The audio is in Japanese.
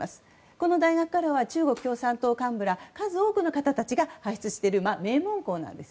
この大学からは中国共産党幹部ら数多くの方たちを輩出している名門校なんです。